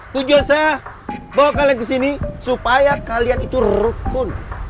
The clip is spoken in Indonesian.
tujuan saya bawa kalian kesini supaya kalian itu rukun